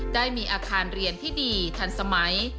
ได้มีอาคารเรียนที่ดีทันสมัย